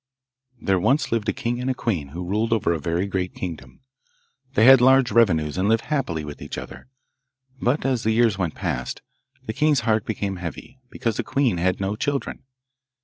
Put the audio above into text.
There once lived a king and a queen who ruled over a very great kingdom. They had large revenues, and lived happily with each other; but, as the years went past, the king's heart became heavy, because the queen had no children.